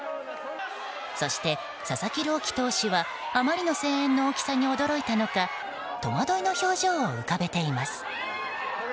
そして佐々木朗希投手はあまりの声援の大きさに驚いたのか戸惑いの表情を浮かべています。